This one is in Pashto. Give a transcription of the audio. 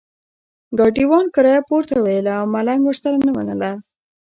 ګاډیوان کرایه پورته ویله او ملنګ ورسره نه منله.